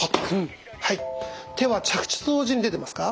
手は着地と同時に出てますか？